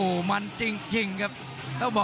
คมทุกลูกจริงครับโอ้โห